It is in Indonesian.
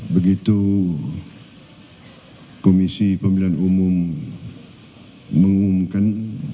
begitu komisi pemilihan umum mengumumkan